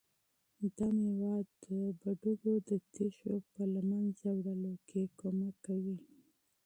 دا مېوه د پښتورګو د تیږو په له منځه وړلو کې مرسته کوي.